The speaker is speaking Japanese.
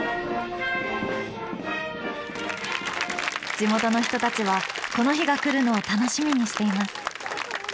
地元の人たちはこの日が来るのを楽しみにしています。